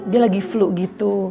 dia lagi flu gitu